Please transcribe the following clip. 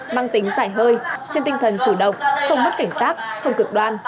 mang tính giải hơi trên tinh thần chủ động không mất cảnh giác không cực đoan